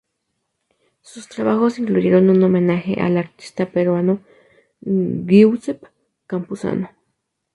Sus trabajos incluyeron un homenaje al artista peruano Giuseppe Campuzano.